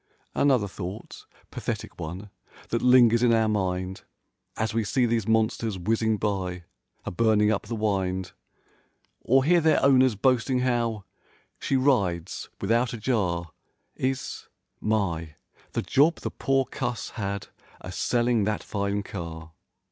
44 Another thought (pathetic one) that lingers in our mind As we see these monsters whizzing by a burning up the wind, Or hear their owners boasting how "she rides with¬ out a jar," Is: "My, the job the poor cuss had a selling that fine car!"